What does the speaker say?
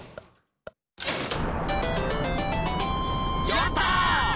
やった！